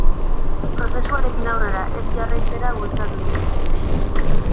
Prozesuarekin aurrera ez jarraitzera bultzatu ditzake.